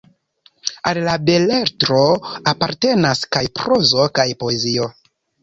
Al la beletro apartenas kaj prozo kaj poezio.